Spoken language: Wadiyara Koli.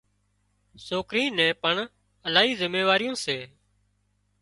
سوڪرِي ني پڻ الاهي زميواريون سي